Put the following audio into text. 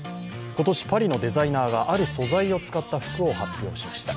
今年、パリのデザイナーがある素材を使った服を発表しました。